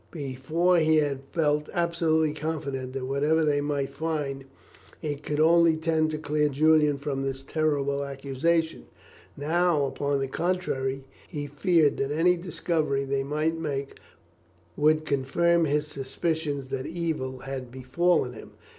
Before, he had felt absolutely confident that whatever they might find it could only tend to clear Julian from this terrible accusation; now, upon the contrary, he feared that any discovery they might make would confirm his suspicions that evil had befallen him.